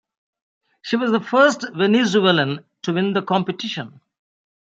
She was the first Venezuelan to win the competition.